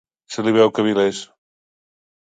Se li veu que vil és.